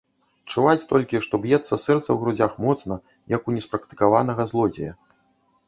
Чуваць толькі, што б'ецца сэрца ў грудзях моцна, як у неспрактыкаванага злодзея.